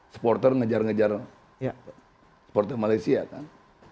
supporter ngejar ngejar supporter malaysia kan